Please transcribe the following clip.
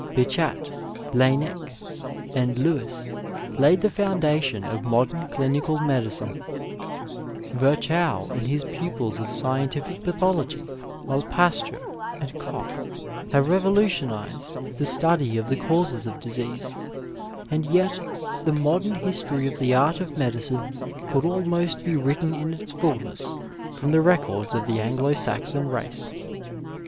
Bichat, LaSnnec and Louis laid the foundation of modem clinical medicine; Virchow and his pupils of scientific pathology ; while Pasteur and Koch have revolutionized the study of the causes of disease ; and yet, the modem history of the art of medicine could almost be written in its fulness from the records of the Anglo Saxon race.